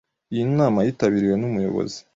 Iyi nama yitabiriwe n’umuyobozi